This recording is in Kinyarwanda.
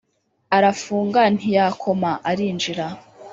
arafunga ntiyakoma arinjira